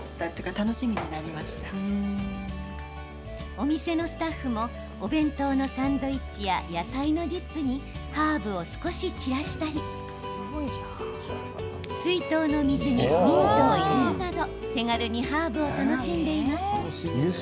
お店のスタッフもお弁当のサンドイッチや野菜のディップにハーブを少し散らしたり水筒の水にミントを入れるなど手軽にハーブを楽しんでいます。